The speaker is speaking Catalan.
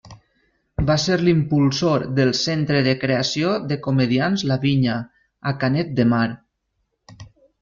Va ser l'impulsor del Centre de Creació de Comediants La Vinya, a Canet de Mar.